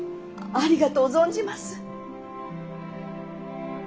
ありがとう存じます。